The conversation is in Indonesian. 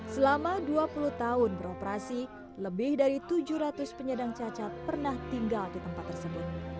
selama dua puluh tahun beroperasi lebih dari tujuh ratus penyandang cacat pernah tinggal di tempat tersebut